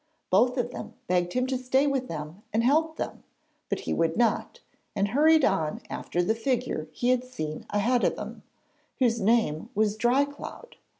Both of them begged him to stay with them and help them, but he would not, and hurried on after the figure he had seen ahead of him, whose name was Dry cloud.